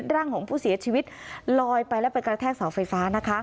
ร่างของผู้เสียชีวิตลอยไปแล้วไปกระแทกเสาไฟฟ้านะคะ